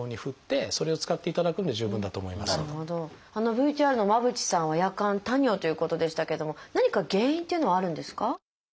ＶＴＲの間渕さんは夜間多尿ということでしたけども何か原因っていうのはあるんですか？